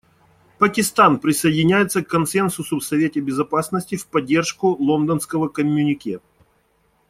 Пакистан присоединяется к консенсусу в Совете Безопасности в поддержку Лондонского коммюнике.